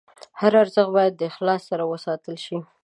هر ارزښت باید د اخلاص سره وساتل شي.